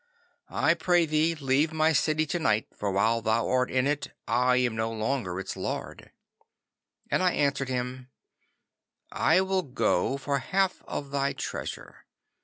I pray thee leave my city to night, for while thou art in it I am no longer its lord." 'And I answered him, "I will go for half of thy treasure.